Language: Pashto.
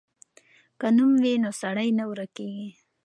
که نوم وي نو سړی نه ورکېږي.